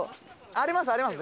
ありますあります